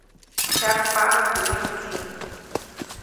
Tsyakpaʼuŋ teʼ myuki.